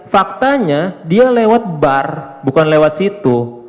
faktanya dia lewat bar bukan lewat situ